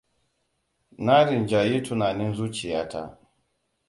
Na rinjayi tunanin zuciya ta.